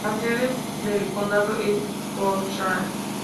La sede de condado es Cochran.